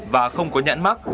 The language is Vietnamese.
và không có nhãn mắc